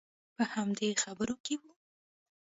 په همدې خبرو کې وو.